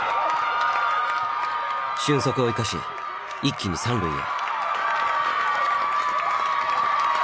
俊足を生かし一気に三塁へ。